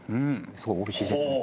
すごいおいしいですね